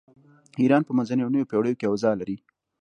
ایران په منځنیو او نویو پیړیو کې اوضاع لري.